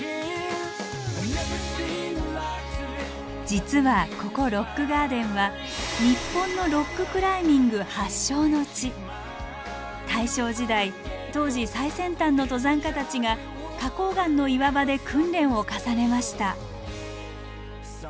実はここロックガーデンは日本の大正時代当時最先端の登山家たちが花こう岩の岩場で訓練を重ねました。